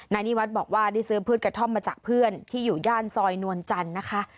นิวัฒน์บอกว่าได้ซื้อพืชกระท่อมมาจากเพื่อนที่อยู่ย่านซอยนวลจันทร์นะคะ